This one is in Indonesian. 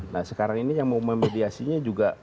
nah sekarang ini yang mau memediasinya juga